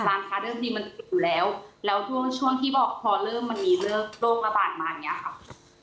ร้านคาดอกที่มันเป็นอยู่แล้วแล้วช่วงที่บอกพอเริ่มมันมีเลิกโลกอาบานมาอย่างเงี้ยค่ะ